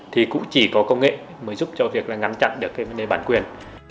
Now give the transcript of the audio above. thì cũng chỉ có công nghệ mới giúp cho việc ngăn chặn được vấn đề bản quyền